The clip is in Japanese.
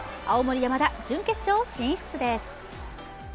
青森山田、準決勝進出です。